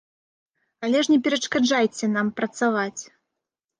Але ж не перашкаджайце нам працаваць.